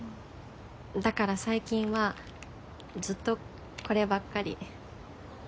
だから最近はずっとこればっかり。